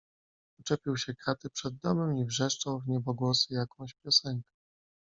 "Uczepił się kraty przed domem i wrzeszczał w niebogłosy jakąś piosenkę."